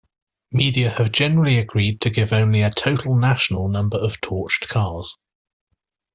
Media have generally agreed to give only a total national number of torched cars.